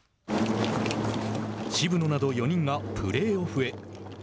渋野など４人がプレーオフへ。